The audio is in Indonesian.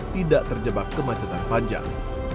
tidak terjebak kemacetan panjang